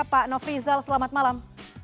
pak nofri zaltahar selamat malam